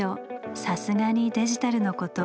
さすがにデジタルのこと。